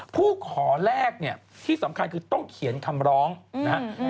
ผู้ขอแรกเนี่ยที่สำคัญคือต้องเขียนคำร้องนะฮะ